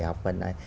học phần này